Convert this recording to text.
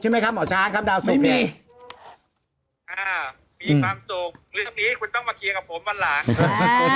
เนื่องจากนี้คุณต้องมาเคลียร์กับผมวันหลัง